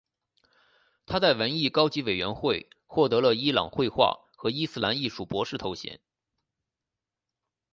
他在文艺高级委员会获得了伊朗绘画和伊斯兰艺术博士头衔。